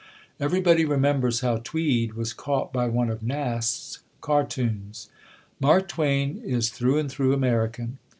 Everybody remembers how Tweed was caught by one of Nast's cartoons. Mark Twain is through and through American.